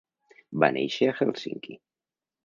Va néixer a Hèlsinki.